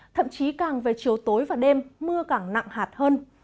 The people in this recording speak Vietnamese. thậm chí càng về chiều tối và đêm mưa càng nặng hạt hơn